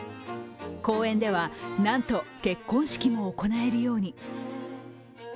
公園では、なんと結婚式も行えるように。